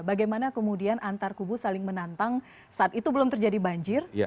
bagaimana kemudian antar kubu saling menantang saat itu belum terjadi banjir